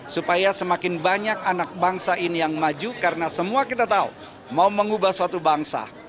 supaya semakin banyak anak bangsa ini yang maju karena semua kita tahu mau mengubah suatu bangsa